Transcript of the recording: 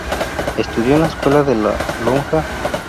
Estudió en la Escuela de la Lonja.